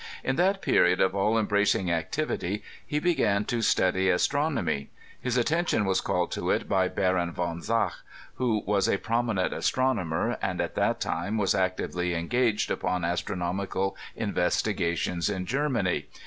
In that period of all embracing activity, he began to study As tronomy. His attention was called to it by Baron von Zach, who was a prominent astronomer, and at that time was actively engaged upon astronomical investigations in Germany.